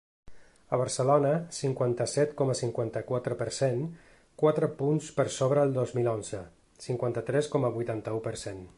A Barcelona, cinquanta-set coma cinquanta-quatre per cent, quatre punts per sobre el dos mil onze, cinquanta-tres coma vuitanta-u per cent.